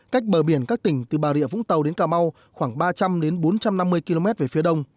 cách bờ biển các tỉnh từ bà rịa vũng tàu đến cà mau khoảng ba trăm linh bốn trăm năm mươi km về phía đông